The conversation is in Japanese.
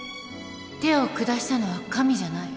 手を下したのは神じゃない。